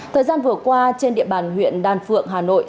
thời gian vừa qua trên địa bàn huyện đan phượng hà nội